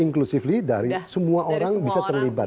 inclusively dari semua orang bisa terlibat